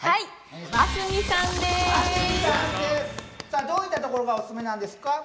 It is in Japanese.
さあどういったところがオススメなんですか？